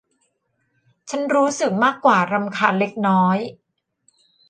ฉันรู้สึกมากกว่ารำคาญเล็กน้อย